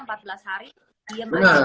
empat belas hari diem aja